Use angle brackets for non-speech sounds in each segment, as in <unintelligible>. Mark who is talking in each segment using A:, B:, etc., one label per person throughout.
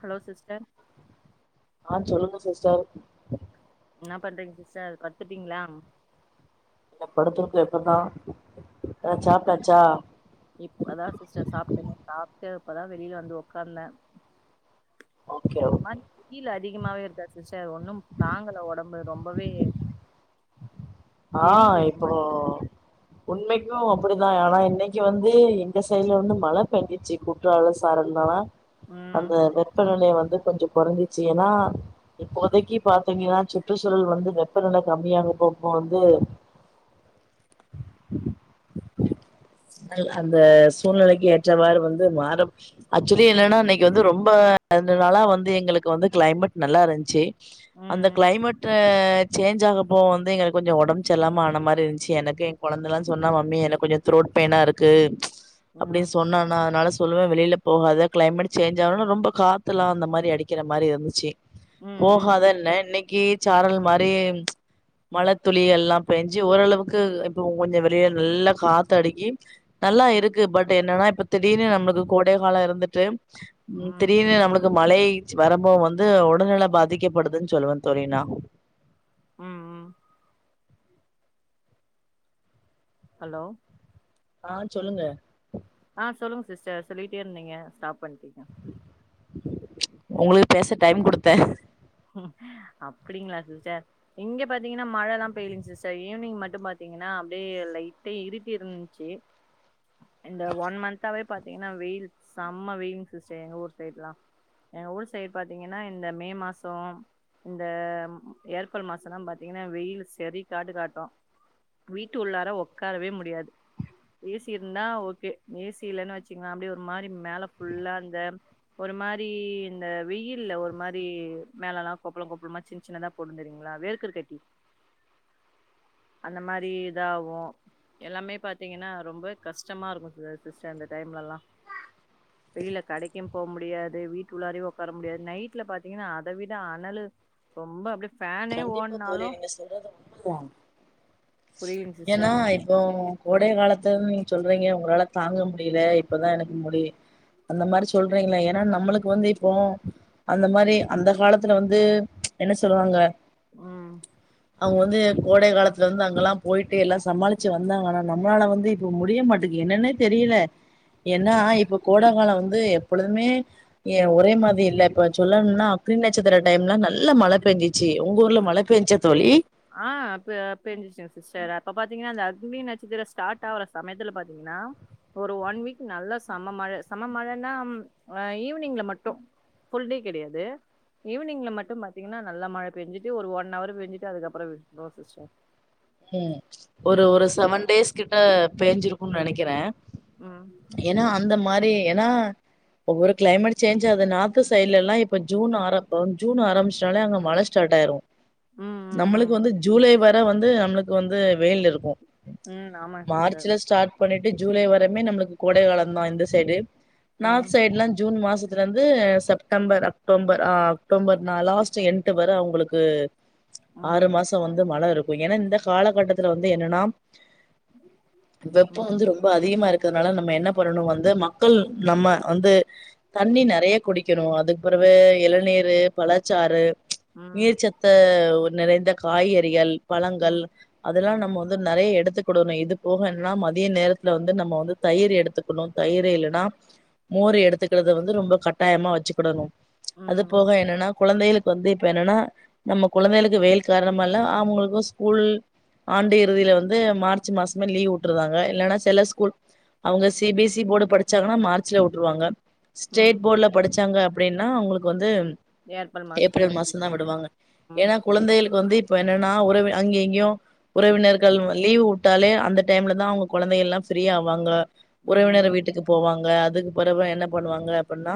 A: hello sister
B: ஆ சொல்லுங்க sister
A: என்னாப் பண்றீங்க சிஸ்டர் பத்துட்டீங்களா
B: படுத்து இருக்கு இப்பதா அ
A: இப்பதா படுத்துருக்கே
B: சாப்டாச்சா
A: இப்பதா சிஸ்டர் சாப்பிட்டேனே சாப்பிட்டு இப்பதா வெளியில வந்து உக்காந்தே
B: ஓகே ஓகே
A: இந்தமாரி வெயிலு அதிகமாவே இருக்கா சிஸ்டர் ஒன்னும் தாங்கல ஒடம்பு ரொம்பவே
B: ஆ
A: எரியுது ஒரு
B: இப்போ
A: மாரி சிஸ்டர்
B: உண்மைக்கு அப்டிதா ஆனா இன்னைக்கி வந்து எங்க சைடு்ல வந்து மழை பெஞ்ச்சிசு குற்றால சாரல் தானா
A: ம்
B: அந்த வெப்பநிலைய வந்து கொஞ்சோ கொறஞ்சுச்சு ஏனா இப்போதைக்கு பாத்தீங்கன்னா சுற்றுச்சூழல் வந்து வெப்ப நில கம்மியாகப்போ இப்ப வந்து
A: <inaudible>
B: நல் அந்த சூழ்நிலைக்கு ஏற்றவாறு வந்து மாற ஆக்சுவலி என்னனா இன்னைக்கு வந்து ரொம்ப ரெண்டுநாளா வந்து எங்களுக்கு வந்து கிளைமேட் நல்லா இருந்ச்சு அந்த
A: ம்
B: கிளைமேட்ட சேஞ்ச் ஆகப்போ வந்து எங்களுக் கொஞ்சோ ஒடம்பு சரியில்லாம ஆன மாரி இருந்ச்சு எனக்கு எ கொழந்தல்லா சொன்னா மம்மி எனக்கு கொஞ்சோ த்ரோட் பெய்னா இருக்கு அப்டின்
A: ம்
B: சொன்னானா அதுனால சொல்லுவே வெளில போகாத கிளைமேட் சேஞ்ச் ஆனோனே ரொம்ப காத்தலா அந்த மாரி அடிக்கிற மாரி இருந்துச்சு
A: ம் ம்
B: போகாதன்னே இன்னைக்கி சாரல் மாரி மழ துளி எல்லா பேஞ்சு ஓரளவுக்கு இப்போ கொஞ்சோ வெளிய நல்லா காத்தடுக்கி நல்லா
A: ம்
B: இருக்கு பட் என்னனா இப்ப திடீர்னு நம்மளுக்கு கோடை காலோ இருந்துட்டு
A: ம்
B: திடீர்னு நம்ம ளுக் மழை வரம்போ வந்து ஒடல்நில பாதிக்கப்படுதுன் சொல்லுவே தோழி நா
A: அ அ ஹலோ
B: ஆ சொல்லுங்க
A: ஆ சொல்லுங்க சிஸ்டர் சொல்லிகிட்டே இருந்தீங்க ஸ்டாப் பண்ட்டீங்க
B: ஒங்களுக்கு பேச டைம் குடுத்தே
A: அப்டிங்களா சிஸ்டர் இங்க பாத்தீங்கன்னா மழல்லா பெய்லிங் சிஸ்டர் ஈவினிங் மட்டு பாத்தீங்கன்னா அப்டியே லைட்டே இருட்டி இருந்ச்சு இந்த ஒன் மன்த்தாவே பாத்தீங்கன்னா வெயில் செம்ம வெயிலுங் சிஸ்டர் எங்க ஊர் சைட்லா எங்க ஊர் சைட் பாத்தீங்கன்னா இந்த மே மா சோ இந்த ஏர்ப்ரல் மாசல்லா பாத்தீங்கன்னா வெயிலு செரி காட்டு காட்டு வீட்டு உள்ளார ஒக்காரவே முடியாது ஏ சி இருந்தா ஓகே ஏ சி இல்லன் வச்சுக்கங்க அப்டியே ஒரு மாரி மேல ஃபுல்லா அந்த ஒரு மாரி இந்த வெயில்ல ஒரு மாரி மேலல்லா கொப்பள கொப்பளமா சின்ன சின்னதா போடு தெரியுங்ளா வேர்கர் கட்டி அந்த மாரி இதாகு எல்லாமே பாத்தீங்கன்னா ரொம்பவே கஷ்டமா இருக்கு ச சிஸ்டர் இந்த டைம்லல்லா வெளில கடைக்கு போக முடியாது வீட்டு உள்ளாரையு உக்கார முடியாது நைட்ல பாத்தீங்கன்னா அ அத விட அனலு ரொம்ப அப்டியே ஃபேன்
B: கண்டிப்பா தோழி நீங்க சொல்றது உண்மதா
A: புரியுதுங்
B: ஏன்னா
A: சிஸ்டர்
B: இப்போ கோடை காலத்துன் நீங்க சொல்றீங்க ஒங்களால தாங்க முடில இப்பதா எனக்கு முடி அந்த மாரி சொல்றீங்களே ஏனா நம்மளுக்கு வந்து இப்போ அந்த மாரி அந்த காலத்துல வந்து என்ன சொல்லுவாங்க
A: ம்
B: அவுங்க வந்து கோடை காலத்துல வந்து அங்கல்லா போயிட்டு எல்லா சமாளுச்சு வந்தாங்க ஆனா நம்மளால வந்து இப்போ முடிய மாட்டிக்கு என்னன்னே தெரில ஏனா இப்ப கோட காலோ வந்து எப்பொழுதுமே ஏ ஒரே மாதி இல்ல இப்ப சொல்லணும்னா அக்னி நச்சத்ர டைம்னா நல்ல மழ பேஞ்சுச்சு தோழி ஒங்க ஊர்ல மழ பேஞ்சா தோழி
A: ஆ பே பேஞ்சுசுங் சிஸ்டர் அப்ப பாத்தீங்கனா அந்த அக்னி நச்சத்திர ஸ்டாட் ஆவர சமயத்துல பாத்தீங்கன்னா ஒரு ஒன் வீக் நல்லா சம மழ சம மழன்னாம் அ ஈவினிங்ல மட்டு புல் டே கெடயாது ஈவினிங்ல மட்டு பாத்தீங்கனா நல்லா மழ பெஞ்சிட்டு ஒரு ஒன் அவர் பெஞ்சுட்டு அதுக்கப் பெரவு நோ சிஸ்டர்
B: ம் ஒரு
A: ம்
B: ஒரு சவன் டேஸ் கிட்ட பேஞ்சிருக்குன் நெனைக்கிறே
A: அ
B: ஏனா அந்த மாரி ஏனா ஒவ்வொரு கிளைமேட் சேஞ்சாது நாத்து சைட்லலா இப்ப ஜூன் ஆரம்போ ஜூன் ஆரமிச்டாலே அங்க மழ ஸ்டாட் ஆய்ரு
A: ம் ம்
B: நம்ளுக்கு
A: ம்
B: வந்து ஜூலை வர வந்து நம்ளுக்கு வந்து வெயில் இருக்கு
A: ம் ஆமாங்க சிஸ்டர்
B: மார்ச்சுல ஸ்டாட் பண்ணிட்டு ஜூலை வரம்மே நம்ளுக்கு கோடைகாளந்தா இந்த சைடு
A: ம்
B: நார்த் சைடுல ஜூன் மாசத் துல இருந்து செப்டம்பர் அக்டோம்பர் ஆ அக்டோபர்னா லாஸ்ட்டு என்ட்டு வர அவுங்குளுக்கு
A: ம்
B: ஆறு மாசோ வந்து மழ இருக்கு ஏனா இந்த காலகட்டத்துல வந்து என்னனா வெப்போ
A: ம்
B: வந்து ரொம்ப அதிகமா இரு க்றனால நம்ம என்ன பண்ணணு வந்து மக்கள் நம்ம வந்து தண்ணி நெறைய குடிக்கணு அதுக்பெறவு இளநீரு பழச்சாறு
A: ம்
B: நீர்ச்சத்த நிறைந்த காய்கறிகள் பழங்கள்
A: ம்
B: இதலா
A: ம்
B: நம்மோ வந்து நெறைய எடுத்துக்குடணு இது போகன்னா மதிய நேரத்துல வந்து நம்மோ வந்து தயிர் எடுத்து குணு தயிரு
A: ம்
B: இல்லனா மோரு எடுத்துக்கிறத வந்து ரொம்ப கட்டாயமா வச்சுக்கிடணு அது
A: ம் ம்
B: போக என்னனா குழந்தைகளுக்கு வந்து இப்ப என்னனா நம்ம குழந்தைகளுக்கு வெயில் கார்ணமால அவுங்குளுக்கு ஸ்கூல் ஆண்டு இறுதில வந்து மார்ச் மாசமே லீவ் உட்ருறாங்க இல்லனா செல ஸ்கூல் அவுங்க C B S C board படிச்சாங்கனா மார்ச்ல உட்ருவாங்க
A: ம்
B: ஸ்டேட் போட்ல படிச்சாங்க அப்டினா அவுங்ளுக்கு வந்து ஏப்ரல் மாசந்தா விடுவாங்க
A: ம்
B: ஏனா குழந்தைகளுக்கு வந்து இப்போ என்னனா உறவு அங்கே இங்யு உறவினர்கள் லீவு உட்டாலே அந்த டைம்லதா அவ்ங்க குழந்தைகள்லா ஃபிரீயாவாங்க
A: ம்
B: உறவினர் வீட்டுக்கு போவாங்க அதுக்கு பெறவு என்ன பண்ணுவாங்க அப்புனா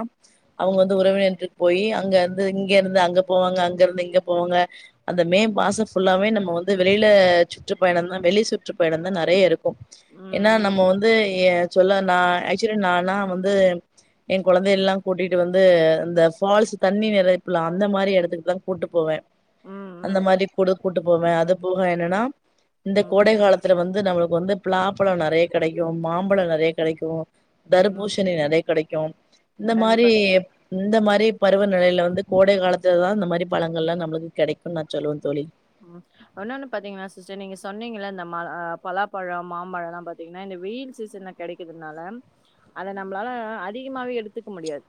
B: அவுங்க
A: ம்
B: வந்து உறவினன்ட்டு போயி அங்க இருந்து இங்க இருந்து அங்க போவாங்க அங்க இருந்து இங்க போவாங்க அந்த மே மாசோ ஃபுல்லாவே நம்ம வந்து வெள் வெளில சுற்றுப்பயணந்தா வெளி சுற்றுப்பயணந்தா நெறைய இருக்கு
A: ம்
B: எனா
A: ம்
B: நம்மோ வந் வந்து ஏ சொல்ல நா ஆக்சுலா நானா வந்து என் கொழந்தை எல்லா கூட்டிட்டு வந்து இந்த ஃபால்ஸு தண்ணி நெறைப்புலா அந்த மாரி எடத்துக்குதா கூட்டு போவே
A: ம்
B: அந்த
A: ம்
B: மாரி கூட கூட்டு போவ அது போக என்னனா இந்த
A: ம்
B: கோடை கால த்துல வந்து நம்ளுக்கு வந்து பிளாப்பழோ நெறைய கெடைக்கு மாம்பழோ நெறைய கெடைக்கு
A: ம்
B: தருபூஷணி நெறைய கெடைக்கு இந்த மாரி
A: கண்டிப்பா
B: இந்த மாரி பருவநிலைல வந்து கோடை காலத்துலதா இந்த மாரி பழங்கள்ல நம்ளுக்கு கெடைக்குன் நா சொல்லுவந் தோழி
A: ஆமா பழோன்னு பாத்தீங்னா சிஸ்டர் நீங்க சொன்னீங்கிள இந்த ம ஆ பலாப்பழோ மாம்பழோலா பாத்தீங்னா இந்த வெயில் சீசன்ன கெடைக்கிதுனால அத நம்ளால அதிகமாவே எடுத்துக்க முடியாது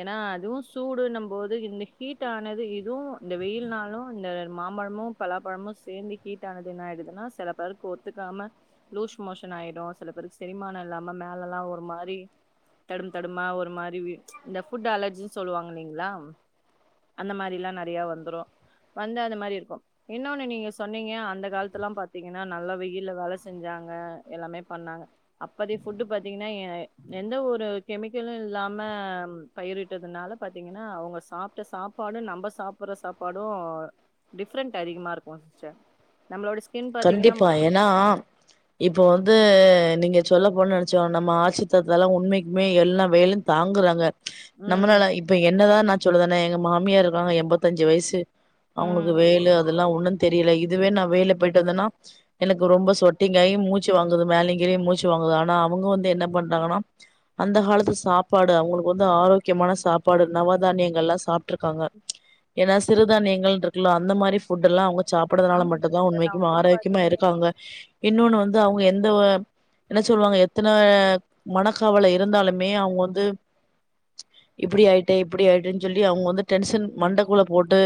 A: ஏனா அதுவு சூடுன்னம்போது இந்த ஹீட் ஆனது இதுவு இந்த வெயில்னாலு இந்த மாம்பழமு பலாப்பழமு சேந்து ஹீட்டானது இன்னாய்டுதுன்னா செல பேருக்கு ஒத்துக்காம லூஸ் மோஷன் ஆய்டு சில பேருக்கு செரிமான இல்லாம மேலலா ஒரு மாரி தடும் தடுமா ஒரு மாரி வி இந்த ஃபுட் அலர்ஜி சொல்லுவாங்க இல்லைங்ளா அந்த மாரிலா நெறையா வந்துரு வந்து அந்த மாரி இருக்கு இன்னொன்னு நீங்க சொன்னீங்க அந்த காலத்ல்லா பாத்தீங்கன்னா நல்லா வெயில்ல நல்ல வேல செஞ்சாங்க எல்லாமே பண்ணாங்க அப்பதி ஃபுட்டு பாத்தீங்கன்னா எ எந்த ஒரு கெமிக்கலு இல்லாம பயிரிட்டதுனால பாத்தீங்கன்னா அவுங்க சாப்பிட்ட சாப்பாடு நம்ம சாப்ற சாப்பாடு டிஃப்ரெண்ட் அதிகமா இருக்கு சிஸ்டர் நம்ளோட ஸ்கின் பாத்தீங்கன்னா மொ
B: கண்டிப்பா ஏன்னா இப்போ வந்து நீங்க சொல்லபோன நெனைச்சி நம்ம ஆட்சித்தத்தல்லா உண்மைக்குமே எல்லா வேலு தாங்குறாங்க
A: ம்
B: நம்மளால இப்ப என்னதா நா சொல்லுதேனே எங்க மாமியாரு இருக்காங்க எணம்பதஞ்சு வயஷ்சு
A: ம்
B: அவங்களுக்கு வேலு அதெல்லா ஒண்ணு தெரியல இதுவே நா வேல போயிட்டு வந்தன்னா எனக்கு ரொம்ப சொட்டிங்காயி மூச்சு வாங்குது மேலங்கிழயு மூச்சு வாங்குது ஆனா அவுங்க வந்து என்ன பண்றாங்கன்னா அந்த காலத்து சாப்பாடு அவங்களுக்கு வந்து ஆரோக் க்கியமான சாப்பாடு நவ தானியங்கல்லா சாப்ட்டுக்காங்க ஏனா சிறுதானியங்கள் இருக்ல அந்த மாரி ஃபுட் எல்லா அவுங்க சாப்பிடறதுனால
A: ஆமாங்க
B: மட்டுதா
A: சிஸ்டர்
B: உண்மைக்கு
A: அவங்கல்லா
B: ஆரோக்கியமா
A: பாத்தீங்கன்னா
B: இருக்காங்க மாங்க இன்னொன்னு வந்து அவுங்க எந்த என்ன சொல்லுவாங்க எத்தன மனக்கவலை இருந்தாலுமே அவுங்க வந்து ச் இப்பிடி ஆயிட்டே இப்பிடி ஆயிட்டேன்னு சொல்லி அவுங்க வந்து டென்சன் மண்டைக்குல போட்டு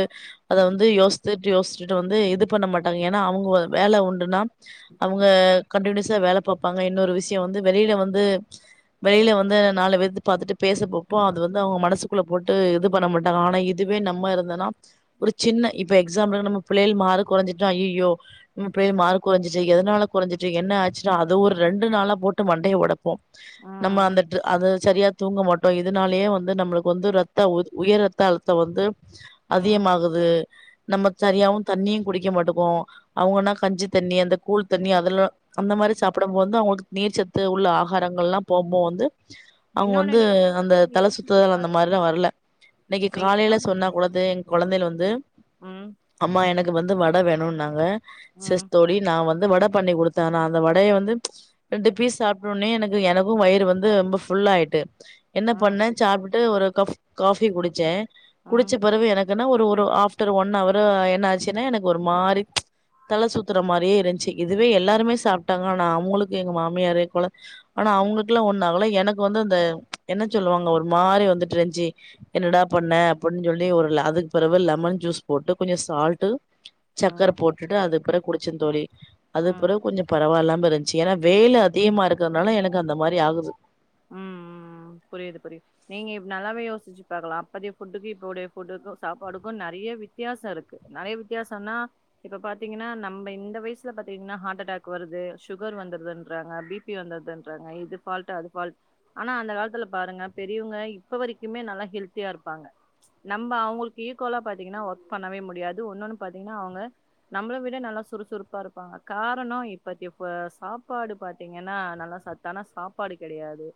B: அத வந்து யோசித்துட்டு யோசிட்டு வந்து இது பண்ண மாட்டாங்க ஏ ன்னா அவுங்க வேல உண்டுன்னா அவுங்க கண்டினியூஸா வேல பாப்பாங்க இன்னொரு விஷயோ வந்து வெளியில வந்து ச் வெளியில வந்து நாலு பேத்து பாத்துட்டு பேச பாப்போ அது வந்து அவுங்க மனசுக்குள்ள போட்டு இது பண்ண மாட்டாங்க ஆனா இ துவே நம்ம இருந்தன்னா ஒரு சின்ன இப்ப எக்ஸாம்பிள் நம்ம பிள்ளை மாறுக் கொறஞ்சிட்டா ஐ ஐயோ உம் பேய் மாறுக் கொறஞ்சிசி எதுனால கொறஞ்சிசி என்ன ஆச்சினு அது ஒரு ரெண்டு நாளா போட்டு மண்டைய ஓடப்போ நம்ம
A: ம்
B: அந்தட் அது சரியா தூங்க மாட்டோ இதனாலேயே வந்து நம்மளுக்கு வந்து ரத்த உ உயர் ரத்த அழுத்த வந்து
A: ம்
B: அதிகமாகுது நம்ம சரியாவு தண்ணியு குடிக்க மாட்டக்கோ அவுங்கன்னா கஞ்சி தண்ணி அந்த கூழ் தண்ணி அதெல்லா அந்த மாரி சாப்டு போது வந்து அவங்களுக்கு நீர்ச்சத்து உள்ள ஆகாரங்கள் எல்லா போம்போது வந்து அவுங்க
A: இன்னொன்னு
B: வந்து அந்த
A: நீங்க
B: தல
A: யோசிச்சு
B: சுத்துதல் அந்த
A: பாருங்க
B: மாரிலா வரல இன்னைக்கு
A: நீங்க
B: காலையில
A: இன்னொன்னு
B: சொன்னா அப் வுலது எங் கொழந்தில வந்து
A: ம்
B: அம்மா எனக்கு வந்து வட வேணுன்னாங்க
A: ம்
B: செஸ் தோழி நா வந்து வட பண்ணி கொடுத்தே நா அந்த வடைய வந்து ரெண்டு பீஸ் சாப்ட்டோனே எனக்கு எனக்கு வயிறு வந்து ரொம்ப ஃபுல் ஆயிட்டு என்ன
A: ம்
B: பண்ணே சாப்ட்டு ஒரு கஃப் காபி குடிச்சே
A: ம்
B: குடிச்ச பிறவு எனக் தானா ஒரு ஒரு ஆப்டர் ஒன் அவர் என்ன ஆச்சுன்னே எனக்கு ஒரு மாறி தலைசூத்தற மாரியே இருந்துச்சி இதுவே எல்லாருமே சாப்ட்டாங்க ஆனா அவுங்களுக்கு எங்க மாமியாரே குழந் ஆனா அவுங்களுக்குல்லா ஒன்னு ஆகல எனக்கு வந்து அந்த என்ன சொல்லுவாங்க ஒரு மாறி வந்துட்டு இருஞ்சி என்னடா பண்ணே அப்ன்னு சொல்லி ஒரு அதுக்கு பிறவு லெமன் ஜூஸ் போட்டு கொஞ்சோ சால்ட்
A: ம்
B: சக்கர போட்டுட்டு அதுப்பிறகு குடிச்சந் தோழி
A: ம்
B: அதுபிறகு கொஞ்சோ பரவாயில்லாமஞ் ச்சி ஏன்னா வேயிலு அதிமா ருக்கறனால எனக்கு அந்த மாரி ஆகுது
A: உம் ம் ம் புரிது புரிது நீங்க ப் நல்லாவே யோசிச்சு பாக்கலா அப்பத்திய புஃட்டுக்கு இப்போடைய புஃட்டுக்கு சாப்பாடுக்கு நெறைய வித் த்தியாசோ இருக்கு நெறைய வித்யாசோனா இப்ப பாத்தீங்கன்னா நம்ம இந்த வயசுல பாத்தீங்கன்னா ஹார்ட்டடாக் வருது சுகர் வந்துருதுன்றாங்க பி பி வந்துன்றாங்க இது ஃபால்ட் அது ஃபால்ட் ஆனா அந்த காலத்துல பாருங்க பெரிவங்க இப்ப வரக்குமே நல்லா ஹெல்த்தியா இருப்பாங்க நம்ம அவங்களுக்கு ஈக்கோலா பாத்தீங்கன்னா ஒர்க் பண்ணவே முடியாது ஒன்னுன்னு பாத்தீங்கன்னா அவுங்க நம்ள விட நல்லா சுறுசுறுப்பா இருப்பாங்க காரணோ இப்பத்தி இப்ப சாப்பாடு பாத்திங்கன்னா நல்லா சா தானா சாப்பாடு கெடையாது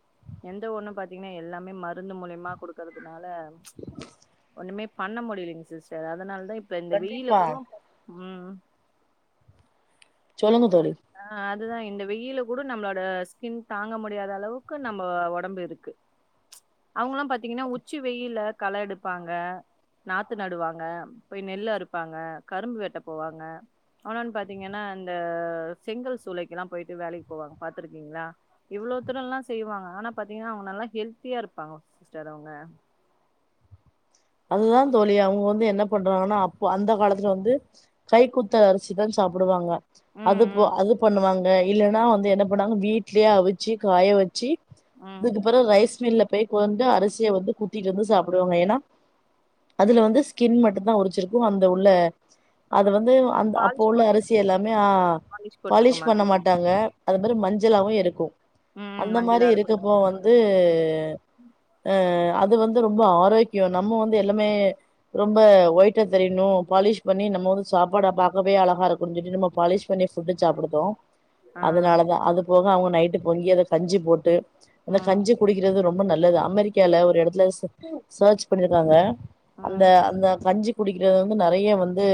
A: எந்த ஒன்னு பாத்திங்கன்னா எல்லாமே மருந்து மூலிமா குடுக்கறதுனால ஒன்னுமே பண்ண முடியலீங் சிஸ்டர் அதனால தா இப்ப இந்த வெயிலு
B: கண்டிப்பா
A: கூட ம்
B: சொல்லுங்க தோழி
A: ஆ அதுதா இந்த வெயில கூட நம்ளோட ஸ்கின் தாங்க முடியாத அளவுக்கு நம்ம ஒடம்பு இருக்கு ச் அவுங்கலா பாத்திங்கன்னா உச்சி வெயில்ல கள எடுப்பாங்க நாத்து நடுவாங்க போய் நெல் அறுப்பாங்க கரும்பு வெட்ட போவாங்க அவனன் பாத்திங்கன்னா இந்த செங்கல் சூலைக்கெல்லா போயிட்டு வேலைக்கு போவாங்க பாத்துருக்கீங்ளா இவ்ளோ தூரல்லா செய்வாங்க ஆனா பாத்திங்னா அவங்க நல்லா ஹெல்த்தியா இருப்பாங்க சிஸ்டர் அவுங்க
B: அதுதா தோழி அவுங்க வந்து என்ன பண்றாங்கன்னா அப்ப அந்த காலத்துல வந்து கை குத்தல் அரிசி தா சாப்டுவாங்க அது
A: ம்
B: போ
A: ம்
B: அது பண்ணுவாங்க இல்லன்னா வந்து என்ன பண்ணாங்க வீட்லே அவிச்சு காய வச்சு
A: ம்
B: இதுக்குப்றோ ரைஸ் மில்ல போய்ட்டு வந்து அரிசிய வந்து குத்திட்டு வந்து சாப்டுவாங்க ஏனா அதுல வந்து ஸ்கின் மட்டுந்தா உரிச்சிருக்கு அந்த உள்ள அது வந்து அந் அப்போ
A: பாலிஷ்
B: உள்ள
A: போட்ருக்க
B: அரிசி எல்லாமே ஆ பாலிஷ் பண்ண மாட்டாங்க அது மாரி மஞ்சளாவு இருக்கு
A: ம்
B: அந்த மாரி
A: மஞ்சளா இருக்கட்டு
B: இருக்கபோ வந் து ஆ அது வந்து ரொம்ப ஆரோக்யோ நம்ம வந்து எல்லாமே ரொம்ப ஒயிட்டா தெரிணு பாலிஷ் பண்ணி நம்ம ஊரு சாப்பாட பாக்கவே அழகா இருக்கு சொல்லிட்டு நம்ம பாலிஷ் <unintelligible> ஃபுட்டு சாப்டுதோ
A: ஆ
B: அதனாலதா அது போக அவங்க நைட்டு பொங்கி அத கஞ்சி போட்டு அந்த
A: ம்
B: கஞ்சி குடிக்கிறது ரொம்ப நல்லது அமெரிக்கால ஒரு எடத்துல ச சர்ச் பண்ணிருக்காங்க
A: ம்
B: அந்த அந்த கஞ்சி குடிக்கறது வந்து நெறைய வந்து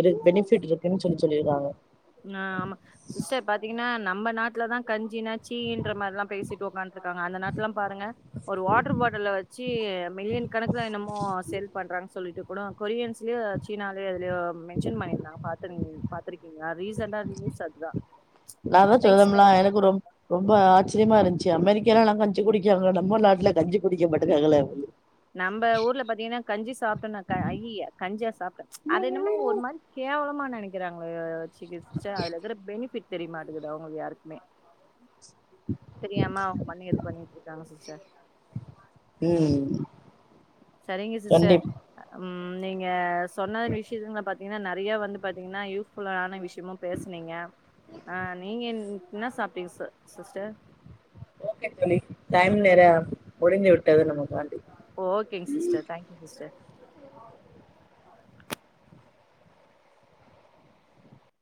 B: இரு பெனிஃபிட் இருக்குன் சொல்லி சொல்லிருக்காங்க
A: நா ஆமா சிஸ்டர் பாத்தீங்னா நம்ம நாட்லதா கஞ்சினா சீன்ற மாரில்லா பேசிட்டு உக்காந்துருக்காங்க அந்த நாட்லல்லா பாருங்க ஒரு வாட்டர் பாட்டில்ல வைச்சு மில்லியன் கணக்குல என்னமோ சேல் பண்றாங்கன் சொல்லிட்டு கூட கொரியன்ஸ்லியோ சீனாலயோ எதுலயோ மென்ஷன் பண்ணிருந்தாங்க பாத்திருந் பாத்துருக் லா ரீசன்டா நியூஸ் அதா
B: ரொம்ப ரொம் ரொம்ப ஆச்சரியமாருந்துச்சு அமெரிக்கால எல்லா கஞ்சி குடிக்காங்க நம்ம நாட்ல கஞ்சி குடிக்க மாட்டுக்காங்காள
A: நம்ப ஊர்ல பாத்திங்கனா கஞ்சி சாப்ட்டோனாக்க அய்யிய கஞ்சியா சாப்ட்ட அது என்னமோ ஒரு மாரி கேவலமா நெனைக்கறாங்க சி க சிஸ்டர் அதுல இருக்கற பெனிஃபிட் தெரிய மாட்டகுது அவுங்களுக்கு யாருக்குமே தெரியாம அவுங்க பண்ணி இது பண்ணிட்ருக்காங்க சிஸ்டர்
B: ம்
A: சரிங்க சிஸ்டர்
B: கண்டிப்
A: ம் நீங்க சொன்ன விஷ்யங்கள பாத் ஏனா நெறைய வந்து பாத்திங்னா யூஸ்ஃபுல்லான விஷ்யமு பேஸ்னிங்க ஆ நீங்கன் என்னா சாப்ட்டிங்க ச சிஸ்டர்
B: ஓகே தோழி டைம் வேற முடிந்து விட்டது நமக்காண்டி
A: ஓகேங் சிஸ்டர் தேங்க்யூ சிஸ்டர்